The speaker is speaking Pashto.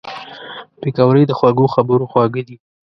پکورې د خوږو خبرو خواړه دي